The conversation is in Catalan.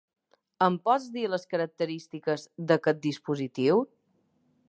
Em pots dir les característiques d'aquest dispositiu?